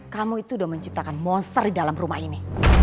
kamu itu sudah menciptakan monster di dalam rumah ini